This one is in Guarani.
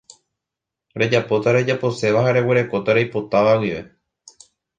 Rejapóta rejaposéva ha reguerekóta reipotáva guive